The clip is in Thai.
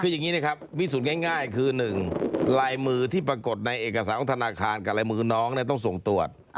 คืออย่างนี้นะครับพิสูจน์ง่ายคือ๑ลายมือที่ปรากฏในเอกสารของธนาคารกับลายมือน้องต้องส่งตรวจ